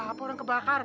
gak apa apa orang kebakar